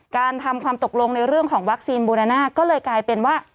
การทำความตกลงในเรื่องของวัคซีนบูรณาน่าก็เลยกลายเป็นว่า